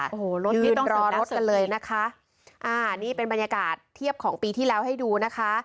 ยืนรอรถกันเลยนะคะอ่านี่เป็นบรรยากาศเทียบของปีที่แล้วให้ดูนะคะ